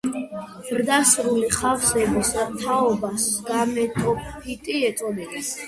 ზრდასრული ხავსების თაობას გამეტოფიტი ეწოდება.